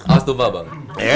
alas tumpah bang